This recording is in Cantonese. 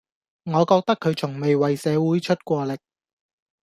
我覺得佢從未為社會出過力